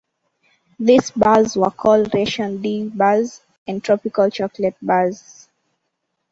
These bars were called Ration D Bars and Tropical Chocolate Bars.